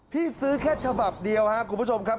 ซื้อแค่ฉบับเดียวครับคุณผู้ชมครับ